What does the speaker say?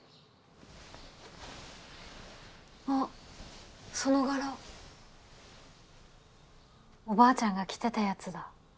あその柄おばあちゃんが着てたやつだ。